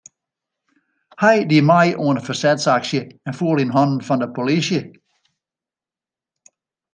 Hy die mei oan in fersetsaksje en foel yn hannen fan de polysje.